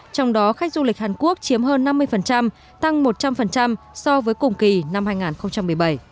trong đó khách du lịch hàn quốc chiếm hơn năm mươi tăng một trăm linh so với cùng kỳ năm hai nghìn một mươi bảy